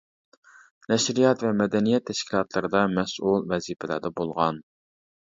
نەشرىيات ۋە مەدەنىيەت تەشكىلاتلىرىدا مەسئۇل ۋەزىپىلەردە بولغان.